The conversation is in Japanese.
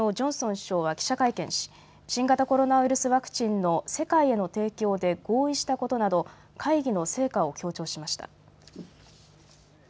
イギリスのジョンソン首相は記者会見し新型ウイルスワクチンの世界への提供で合意したことなど会議の成果を強調しました。